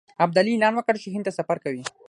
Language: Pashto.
ابدالي اعلان وکړ چې هند ته سفر کوي.